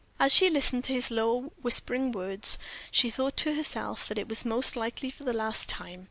As she listened to his low whispered words, she thought to herself that it was most likely for the last time.